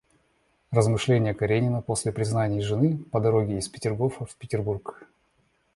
Размышления Каренина после признаний жены по дороге из Петергофа в Петербург.